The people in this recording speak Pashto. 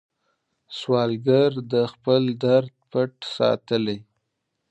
سوالګر د خپل درد پټ ساتي